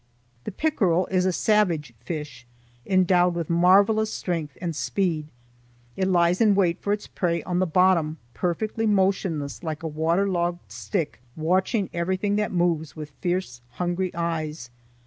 The pickerel is a savage fish endowed with marvelous strength and speed. It lies in wait for its prey on the bottom, perfectly motionless like a waterlogged stick, watching everything that moves, with fierce, hungry eyes.